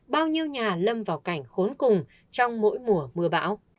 bao nhiêu nhà lâm vào cảnh khốn cùng trong mỗi mùa mưa bão